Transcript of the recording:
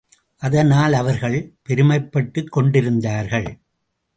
அதனால் அவர்கள் பெருமைப்பட்டுக் கொண்டிருந்தார்கள்.